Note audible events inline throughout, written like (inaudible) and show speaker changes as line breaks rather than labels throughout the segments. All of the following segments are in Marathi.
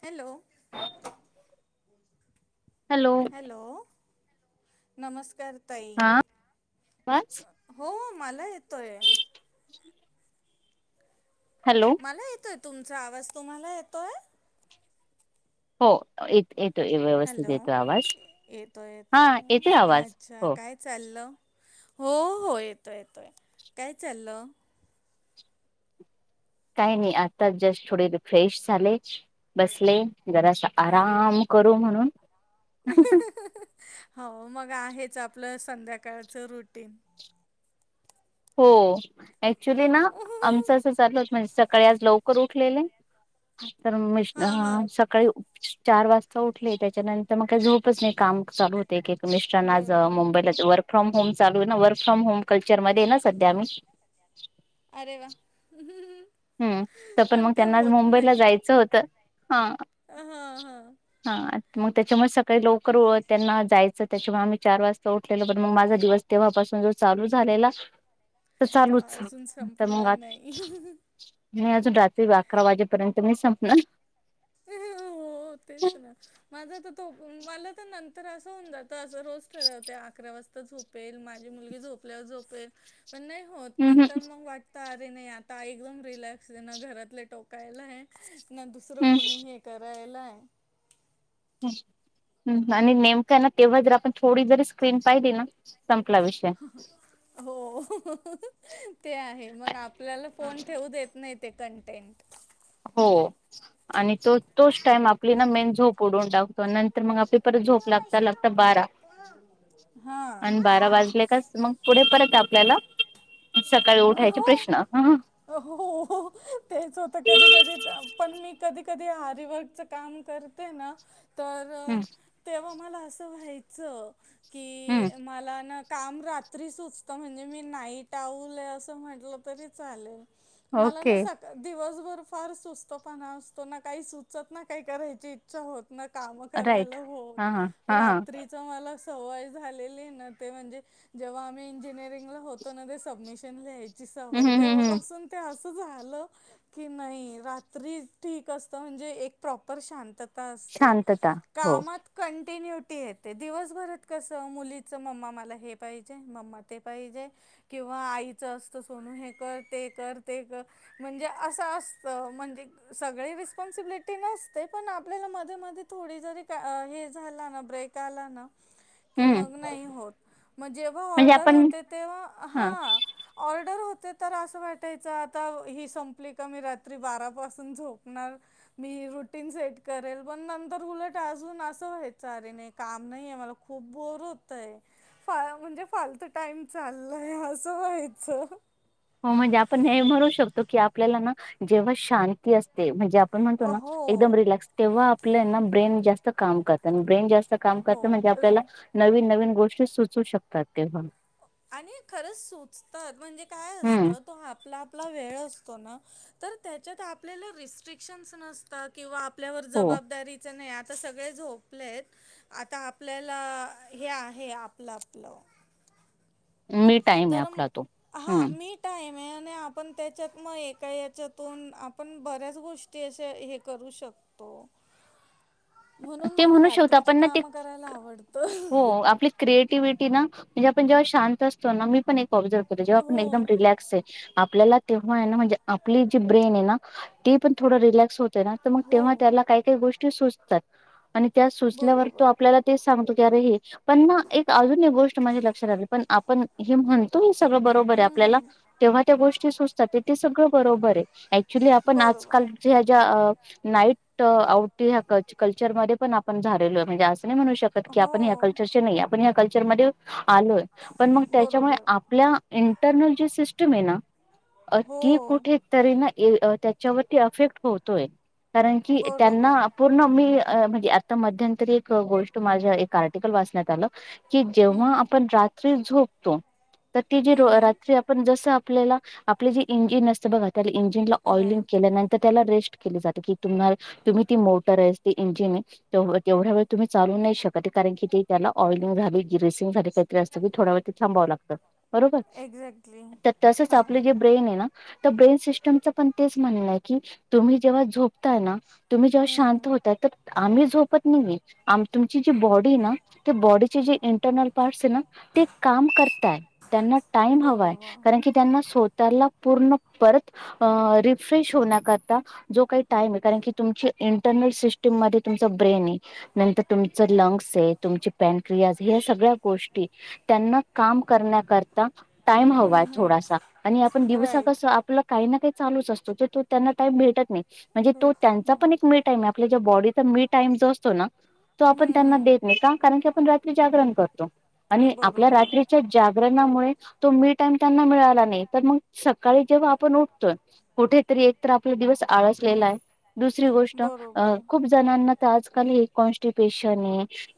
हॅलो.
(unintelligible)
हॅलो नमस्कार. ताई
हा आवाज
हो मला येतोय.
(unintelligible) हॅलो
मला येतोय तुमचा आवाज तुम्हाला येतोय.
हो य येत. व्यवस्थित
हॅलो
येतो आवाज
येतोय
हा
येतोय
आवाज
अच्छा
हो
काय चाललं. हो हो येतोय येतोय काय चाललं.
काही नाही आता जस्ट थोडे फ्रेश झाले बसले. घरास
अरे वा
आराम करू म्हणून
हो मग आहेच आपलं संध्याकाळच रुटीन
हो ऍक्च्युली ना आमचं असं चाललं. म्हणजे सकाळी आज लवकर उठलेले तर म
हां हां
सकाळी चार वाजता उठले त्याच्यानंतर मग काय झोपच नाही काम चालू होत एक एक मिस्ट्रांना आज
बरोबर
मुंबईला वर्क फ्रॉम होम चालू आहे ना वर्क फ्रॉम होम कल्चरमध्ये ना सध्या म
अरे वा.
हम्म तर पण मग
ते
त्यांना आज
होत
मुंबईला
नाही
जायचं होतं हा
हां हा.
हा मग त्याच्यामुळे सकाळी लवकर त्यांना जायचं त्याच्यामुळे आम्ही चार वाजता उठले पण मग माझा दिवस तेव्हापासू सजा चालू झालेला तर
तो
चालूच.
अजून
तर मग
संपला
आत-
नाही.
मी अजून रात्री अकरा वाजेपर्यंत नई संपणार
हो तेच ना माझं तर तो मला तर नंतर असं होऊन जातं असं रोज ठरव होते अकरा वाजता झोपेल माझी मुलगी झोप झोेपेल पण नाही होत
हम्म हम्म
नंतर मग वाटत आता एकदम रिलॅक्स आहे ना घरातले टोकायला ना दुसर कोणीही ताला ये.
आणि नेमका ना तेव्हा जर आपण थोडी जरी स्क्रीन पाहिली ना संपला विषय
हो. ते आहे मग आपल्याला फोन ठेवू देत नाही ते कन्टेन्ट
हो आणि तो तोच टाइम आपली ना मेन झोपडून उडवून टाक नंतर मग आपली परत
मी
झोप लागता लागता
वॉशरूम
बारा
करते
आणि बारा
हां
वाजले कास मग पुढे परत आहे आपल्याला सकाळी
म
उठायचे
हो
प्रश्न हं
हो हो तेच होत. कधी कधी पण मी कधी कधी आरीवर्कच काम करते ना
हं
तर तेव्हा मला असं व्हायचं
हं
की मला ना काम रात्री सुचतं म्हणजे मी नाईट आवूले असं म्हटलं तरी चालेल. मला ना
ओके
सका दिवसभर फार सुस्तो
राईट हा हा हा हा
मला सवय झालेली ना ते म्हणजे जेव्हा आम्ही इंजिनिअरिंगला होतो ना ते सबमिशन ल्या ची सवय
हम्म हम्
तेव्हापासून त्या झालं की नाही रात्री ठीक असत म्हणजे एक प्रॉपर शांत ता असते
शांतता हो
कामात कंटाळा कंटिन्युटी येते दिवसभरात कसं मुलीचं मम्मा मला हे पाहिजे मम्मा ते पाहिजे. किंवा आईच असत सोनू हे कर ते कर ते कर म्हणजे असं असत म्हणजे सगळी रिस्पॉन्सिबिलिटी नसते पण आपल्याला मध्ये मध्ये थोडी जरी अ हे झाला ना ब्रेक आला ना कि
हम्म
मग नाही होत. मग जेव्हा
म्हणजे
ऑर्डर
आपण
होते तेव्हा
ह
हा ऑर्डर हो ते तर अस वाटायच आता ही संपली का मी रात्री बारा पासून झोणार मी रुटीन सेट करेल पण नंतर उलट अजून असं व्हायेच आरे नाही काम नाहीय मला खूप बोर होतय फा म्हणजे फाल फक्त टाइम चाललाय असं व्हायचं
हो म्हणजे आपण हे म्हणू शकतो की आपल्याला ना जेव्हा शांती असते म्हणजे आपण म्हणतो ना
हो
एकदम रिलॅक्स तेव्हा आपल्याना ब्रेन जास्त काम करतय आणि ब्रेन जास्त अस काम करत म्हणजे
हो
आपल्याला नवीन नवीन गोष्टी सुचू शकतात तेव पण
आणि खरंच सुचतात म्हणजे काय
हम्म
असतं तो आपला आपला वेळ असतो. ना तर त्याच्यात आपल्याला रिस्ट्रीकशनस नसतात किंवा आपल्यावर
हो
जबाबदारीच नाही आ आता सगळे झोपलेत आता आपल्याला हे आहे आपलं आपलं
मी टाइम आहे
तर
आपला तो
हा
हम्म
मी टा आहेम आपण त्याच्यात मग एका याच्यातून आपण बऱ्याच गोष्टी अशे हे करू शकतो. तो
ते म्हणू शकतो आपण ना ते
करायला आवडतं
हो आपली क्रिएटिव्हटी ना म्हणजे आपण जेव्हा शांत असतो ना मी पण एक ऑब्जर्व केलंय जेव्हा आपण
हो
एकदम रिलॅक्स ये आपल्याला तेव्हा हाय ना म्हणजे आपली जी ब्रेन ये ना ती पण थोड रिलॅक्स होत ते ना त मग
हो
तेव्हा त्याला काय काय गोष्टी सुचतात. आणि त्या सुचल्यावर
बरोबर
तो आपल्याला तेचं सांगतो की अरे हे पण ना एक अजून एक गोष्ट माझ्या लक्षात आली पण आपण हे म्हणतो मी सगळं बरोबर आहे
हं,
आपल्याला
हं.
तेव्हा त्या गोष्टी सुचतात ते ते सगळं बरोबर ये. एकच्युली आपण
बरोबर
आजकालच्या ह्या ज्या नाईट आऊट हया कल कल्चरमध्ये पण आपण झालेलो म्हणजे असं नाही म्हणू शकत की
हो
आपण हया कल्चरचे नाहीये आपण हया कल चर मध्ये आलोय पण मग त्याच्यामुळे
बरोबर
आपल्या इंटरनल जी सिस्टम ये ना अ
हो
ती कुठे तरी ना अ त्याच्यावरती अफेक्ट होतोय. कारण की त्यांना
बरोबर हम्म
आपुन की अ म्हणजे आता मध्यंतरी एक गोष्ट माझ्या एक आर्टिकल वाचण्यात आलं की जेव्हा
हम्म
आपण रात्री झोपतो तर ती जी रो
हम्म
रात्री
हम्म
आपण जस आपल्याला आपली जी इंजिन असते बघा त्या इंजिनला ओईलिंग
राईट
केल्यानंतर त्याला रेस्ट केली जात की तुमनाल तुम्ही ती मो (unintelligible) (unintelligible) थोडा वेळ तिथे थांबावं लागतं बरोबर
एक्झॅक्टली
तर तसच
हां
आपले जे ब्रेन आहे ना तर ब्रेन सिस्टम पण तेच म्हण की तुम्ही जेव्हा झोपताय ना तुम्ही जेव्हा
हम्म
शांत
हम्म
आम्ही झोपत नाही तुमची जी बॉडी आहे ना ते त्या बॉडीचे
बरोबर
(unintelligible) पूर्ण परत रिफ्रेश होण्याकरता जो काही टाईम आहे कारण की तुमची टर्नल सिस्टम मध्ये तुमच ब्रेन आहे नंतर तुमच लंग्स आहे तुमची पॅनक्रिया हे सगळ गोष्टी त्याना काम करण्याकरिता टाइम हवाय
हम्म
थोडासा
हम्म
आणि आपण दिवसा
राईट
कस आपलं काही ना काही चालूच असतो तो त्यांना टाईम भेटत नाही म्हणजे तो
भेटत
त्यांचा पण
नाही
एक टाइम आपल्या ज्या बॉडीचा मी टाईम जो असतो ना तो आपण
हम्म
त्यांना देत
हम्म
नाही का कारण की आपण रात्री जागरण करतो आणि आपल्या
बरोबर
रात्रीच्या जागरणामुळे तो मी टाईम मिळाला नाही तर मग सकाळी जेव्हा आपण उठतोय कुठेतरी एक तर आपला दिवस आळसलेला आहे. दुसरी गोष्ट
बरोबर
खूप जणांना तर आजकाल हे कॉन्स्टिप्येशन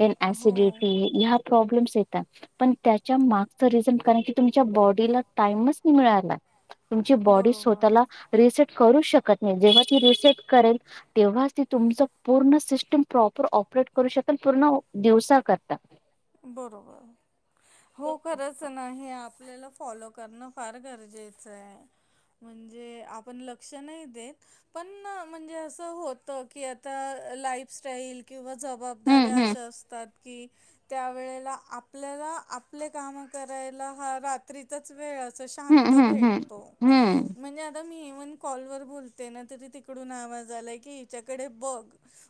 हे एन
हो
सिडिटी प्रॉब्लेम्स येतात पण त्याच्या मागच रिझन कारण की तुमच्या बॉडीला टाइमच मिळाला तुमची बॉडी स्वतःला
बरोबर
रिसेट करू शकत नाही जेव्हा ती रिसेट करेल तेव्हाच त तुमच पूर्ण सिस्टम प्रॉपर ऑपरेट करू शकल पूर्ण दिवसाकरता
बरोबर हो खरच नाही आपल्याला फॉलो करणं फार गरजेचं आहे म्हणजे आपण लक्ष नाही देत पण म्हणजे असं होत की आता लाईफस्टाईल किंवा जबाबदाऱ्या
हम्म
अशा
हम्म
असतात की त्या वेळेला आपल्याला आपले काम करायला हा रात्रीतच वेळ असो शांत
हम्म हम्म
भेटतो
हम्म हम्म
म्हणजे आता मी कॉल वर बोलतय ना तिकडून आवाज आलाय की हच्याकडे बग.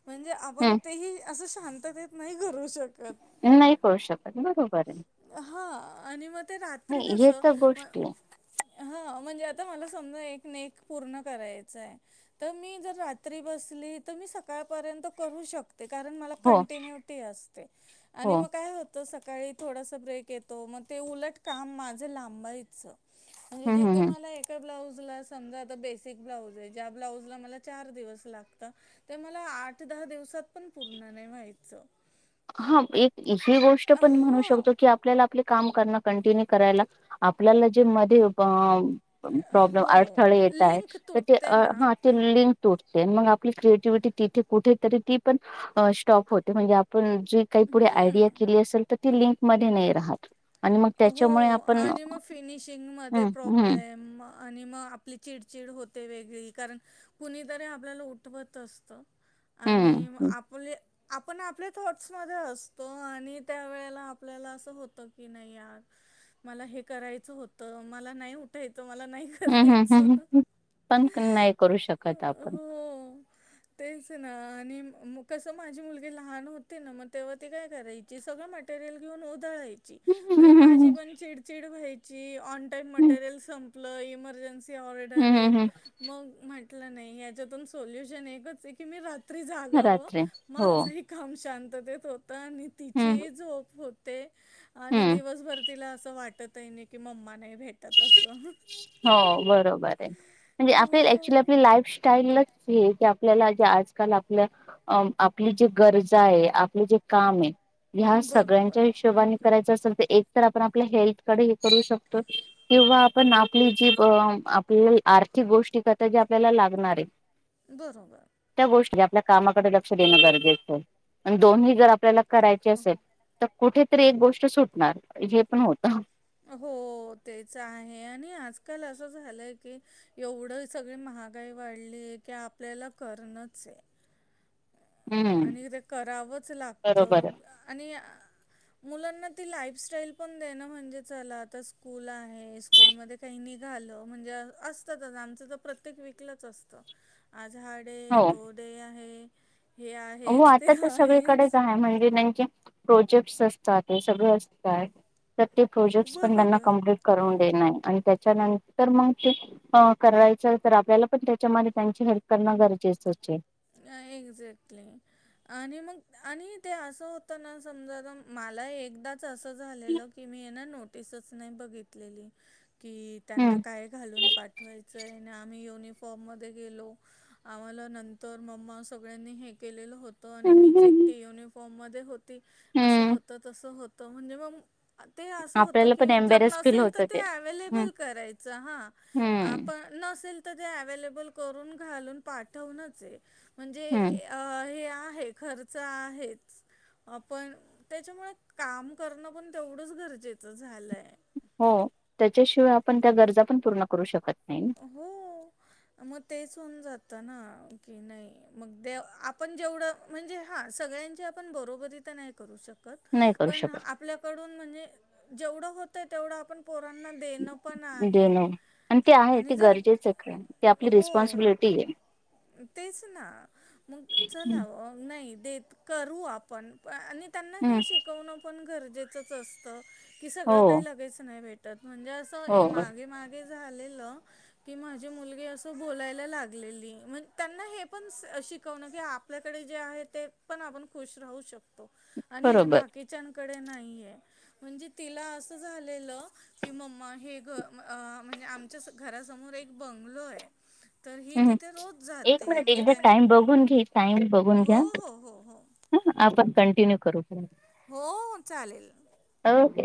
म्हणजे आपण तेही असं शांततेत नाही करू शकत
नाही करू शकत बरोबर आहे
हा आणि मग ते रात्री
नाही
कस
हे तर गोष्टी आहे.
म्हणजे आता मला समजा एक न एक पूर्ण करायच आहे तर मी इथे रात्री बसली तर सकाळपर्यंत करू शकत ते कारण मला
हो
कंटिन्युटी असते आणि
हो
मग काय होत सकाळी थोडास ब्रेक येतो मग ते उलट काम माझं लांबायचं म्हणजे
हम्म हम्म
जिथे
हम्म.
मला एका ब्लाउज समाज आता बेसिक ब्लाऊज आहे त्या ब्लाऊज ला चार दिवस लागतात तर मला आठ दहा दिवसात पण पूर्ण नाही व्हायच
हा एक इझी गोष्ट पण म्हणू
हां
शकतो की आपल्याला आपल्या काम करण कंटिन्यू करायला आपल्याला जे मध्ये प्रॉब्लेम
हो
अडथळे येत आहे
लिंक
तर ते
तुटते ना
हा ते लिंक तुट मग आपली क्रिएटिव्हटी तिथे कुठे तरी ती पण स्टॉप होते म्हणजे पण जी काही पुढे आयडिया
हम्म
केली असेल तर ती लिंक मध्ये नाही राहात
हो आणि मग फिनिशिंग मध्ये
हम्म हम्म
प्रॉब्लेम आणि मग आपली चिडचिड होते वेगळी कारण कुणीतरी आपल्याला उठवत असत
हम्म
आणि
हम्म
आपले आपण आपल्या थॉटस मध्ये असतो आणि त्या वेळेला आपल्याला असं होत की नाही मला हे करायचं होत मला नाही उठायच त मला नाही
हम्म हम्म
करायच
हम्म हम्म. पण नाही करू शकत आपण
हो तेच ना आणि मग कसं माझी मुलगी लहान होती ना मग तेव्हा ती काय करायची सगळं. ते रील घेऊन उधळाय.
हम्म
अरे माझी
हम्म
पण चिडचिड व्हायची ऑनटाइम
हम्म
मटेरियल संपलं इमर्जन्सी ऑर्डर
हम्म हम्म
य
हम्म
मग म्हटलं नाही यांच्यातून सोल्युशन एकच य की मी रात त्री
हम्म.
जागावं
रात्री हो
माझंही काम शांततेत होतं आणि
हम्म
तिचीही झोप होत ते आणि
हम्म
दिवसभर तिला असं वाटत ही आहे नाही कि मम्मा नाही भेटत असं.
हो बरोबर आहे म्हणजे आपली
हो,
ऍक्चुली आपली लाईफस्टाईलच ही की आपल्याला जे आजकाल आपल्या आपली जी गरजा आहे आपलं जे काम आहे ह्या सगळ्यांच्या
बरोबर.
हिशोबाने करायच तर आपण आपल्या हेल्थकडे हे करू शकतो किंवा पण आपली जी आपल्या आर्थिक गोष्टी करता जी आपल्याला लागणार आहे.
बरोबर.
आ कामाकडे लक्ष देणं गरजेचं आहे दोन्ही जर आपल्याला करायचे असेल तर कुठेेतरी एक गोष्ट सुटणार जे पण होतं.
हो तेच आहे आणि आजकाल असं झालंय की एवढं सगळे मा महागाई वाढली आहे की आपल्याला करणच आ
हम्म
आणि ते करावंच
बरोबर
लागतं
आहे.
आणि अ मुलांना ती लाईफस्टाईल पण दे न म्हणजे चला आता स्कूल आहे स्कूलमध्ये काही निघा म्हणजे असतच म्हणजे आमच तर प्रत्येक वीक लाच असतं. आ झाडे
हो.
तोडे आहे. हे
हो
आहेच, ते
आता तर सगळीकडेच
आहेच.
आहे म्हणजे नाही च प्रोजेक्टस असतात ते सगळ असतात तर ते प्रोजेक्ट पण त्यांना
बरोबर.
कम्प्लीट करून अ त्याच्या नंतर मग ते अ करायचय तर आपल्या पण त्याच्यामध्ये त्यांची हेल्प लाग नगरचेच
नाही. एक्झॅक्टली आणि मग आणि ते असं होतं ना समजा मला एकदा असं झालेलं की मी येणा नोटीस च नाही बघितलेली. की
हम्म.
त्यांना काय घालून पाठवायचंय आणि आम्ही युनी फॉर्म मध्ये गेलो आम्हाला नंतर मम्मा सगळ्यांनी हे केलेलं हो आणि
हम्म हम्म
मीच
हम्म.
एकटी युनिफॉर्म मध्ये होती असं
हम्म
होत तसं होत म्हणजे मग ते असं होत
आपल्याला पण
की जर
एम्बेरेस फील
नसेल तर
होतं
ते
हम्म
अव्लेबल करायच हा
हम्म.
आपण नसेल एवेलेबल करून घालून पाठवणचय म्हणजे
हम्म
अ हे आहे खर्च आहे. अ पण त्याच्यामुळे काम करणं पण तेवढंच गरजेचं झालंय.
हो त्याच्याशिवाय आपण त्या गरजा पण पूर्ण करू शकत नाही ना.
हो मग तेच हून जात ना की नाही मग ते आपण जेवढं म्हणजे हा सगळ्यांची आपण बरोबरी तर नाही करू शक
नाही करू
पण
शकत
आपल्याकडून म्हणजे जेवढं होतय तेवढ आपण पोरांना देणं पण आहे. आणि जर
गरजेचे आपली
हो.
रिस्पॉनसिबिलिटी ये.
तेच ना मग चला नाही देत करू आपण. आणि त्यांना
हम्म
हे शिकवणं पण गरजेचंच असतं की सगळं
हो
काही लगेच नाही भेट म्हणजे असं ए
हो.
मागे मागे झालेलं की माझी मुलगी असं बोलायला लागलेली म्ह त्यांना हे पण शिकवणं की आपल्याकडे जे आहे ते पण आपण खुश राहू शकतो. आणि जे
बरोबर
बाकीच्यां कडे न्हाईया म्हणजे तिला असं झालेलं मम्मा की हे घ अ आमच्या च घरासमोर एक बंगलो आहे तर ही
हं, हं.
तिथे रो
एक मिनिट, एकदा टाइम बघून घे टाइम बघून घ्या
हो, हो, हो, हो.
ह आपण का कंटीन्यू करू.
हो चालेल.
ओके.